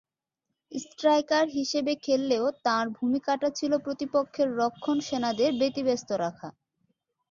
Striker হিসেবে খেললেও তাঁর ভূমিকাটা ছিল প্রতিপক্ষের রক্ষণ সেনাদের ব্যতিব্যস্ত রাখা।